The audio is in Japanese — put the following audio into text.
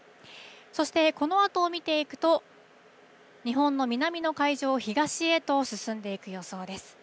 そして、このあとを見ていくと、日本の南の海上を東へと進んでいく予想です。